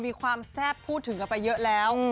มีความแซ่บพูดถึงกันไปเยอะแล้ว